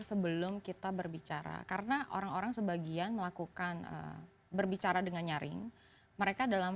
sebelum kita berbicara karena orang orang sebagian melakukan berbicara dengan nyaring mereka dalam